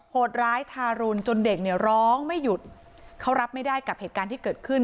โหดร้ายทารุณจนเด็กเนี่ยร้องไม่หยุดเขารับไม่ได้กับเหตุการณ์ที่เกิดขึ้น